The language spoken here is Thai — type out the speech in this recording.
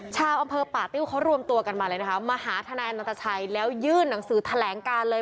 ชาวอำเภอป่าติ้วเขารวมตัวกันมาเลยนะคะมาหาทนายอนันตชัยแล้วยื่นหนังสือแถลงการเลย